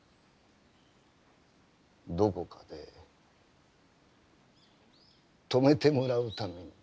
どこかで止めてもらうために。